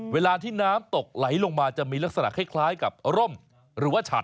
เวลาที่น้ำตกไหลลงมาจะมีลักษณะคล้ายกับร่มหรือว่าฉาก